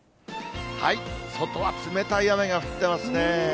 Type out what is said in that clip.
外は冷たい雨が降ってますね。